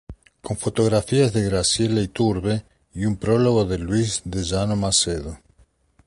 Con fotografías de Graciela Iturbide y un prólogo de Luis de Llano Macedo.